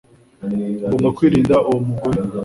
Ugomba kwirinda uwo mugore